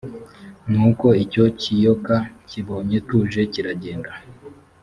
nuko icyo kiyoka kibonye tuje kiragenda